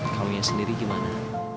kamu yang sendiri gimana